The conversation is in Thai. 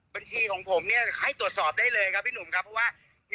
บัญชีของผมเนี่ยให้ตรวจสอบได้เลยครับพี่หนุ่มครับเพราะว่า